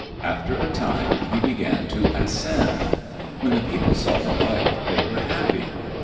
After a time he began to ascend. When the people saw the light they were happy.